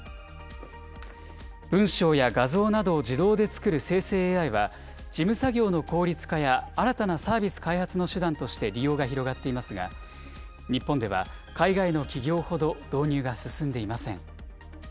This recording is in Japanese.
文章や画像などを自動で作る生成ＡＩは、事務作業の効率化や新たなサービス開発の手段として利用が広がっていますが、日本では海外の企業ほど導入が進んでいません。